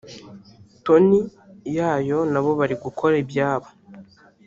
[Tony] Yayo na bo bari gukora ibyabo